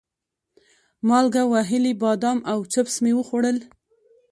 مالګه وهلي بادام او چپس مې وخوړل.